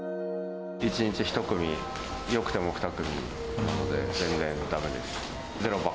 １日１組、よくても２組なので、全然だめです。